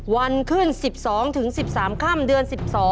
วันขึ้น๑๒ถึง๑๓ค่ำเดือน๑๒